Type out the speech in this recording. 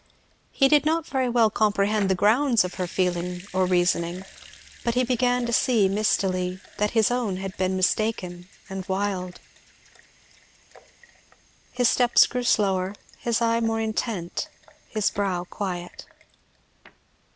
He did not very well comprehend the grounds of her feeling or reasoning, but he began to see, mistily, that his own had been mistaken and wild. His steps grew slower, his eye more intent, his brow quiet.